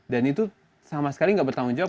dan itu sama sekali nggak bertanggung jawab